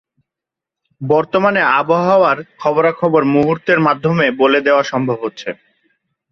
বর্তমানে আবহাওয়ার খবরাখবর মুহুর্তের মাধ্যমেই বলে দেয়া সম্ভব হচ্ছে।